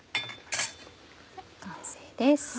完成です。